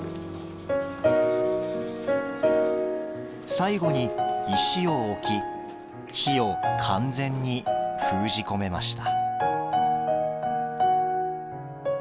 最後に石を置き火を完全に封じ込めました。